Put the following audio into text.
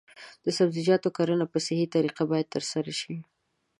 د سبزیجاتو کرنه په صحي طریقه باید ترسره شي.